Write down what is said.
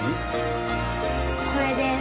これです。